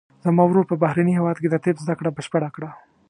زما ورور په بهرني هیواد کې د طب زده کړه بشپړه کړه